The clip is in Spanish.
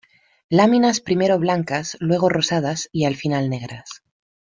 Láminas primero blancas, luego rosadas y al final negras.